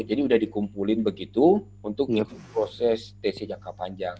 jadi udah dikumpulin begitu untuk proses tc jangka panjang